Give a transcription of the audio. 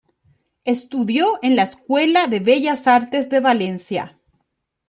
Estudió en la Escuela de Bellas Artes de Valencia.